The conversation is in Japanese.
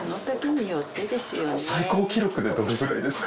最高記録でどれくらいですか？